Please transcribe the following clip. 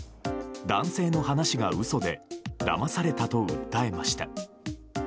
男性の話が嘘でだまされたと訴えました。